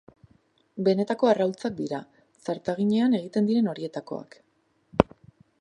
Benetako arraultzak dira, zartaginean egiten diren horietakoak.